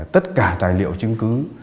tất cả tài liệu chứng cứ